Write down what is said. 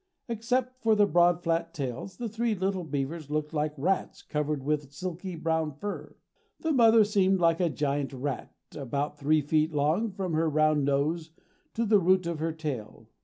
Except for their broad, flat tails, the three little beavers looked like rats covered with silky brown fur. The mother seemed like a giant rat, about three feet long from her round nose to the root of her tail.